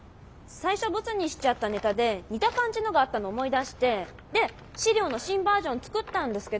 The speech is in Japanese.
最初ボツにしちゃったネタで似た感じのがあったのを思い出してで資料の新バージョン作ったんですけ